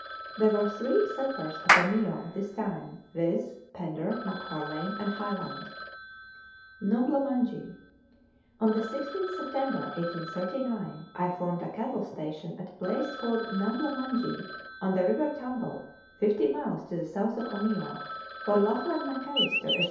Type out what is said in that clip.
There were three settlers at Omeo at this time, viz., Fender, McFarlane, and Hyland. Numbla Munjee. On the 16th September 1839 I formed a cattle station at a place called Numbla Munjee, on the River Tambo, 50 miles to the south of Omeo, for Lachlan Macalister, Esq.